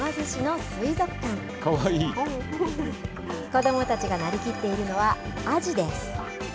子どもたちがなりきっているのは、アジです。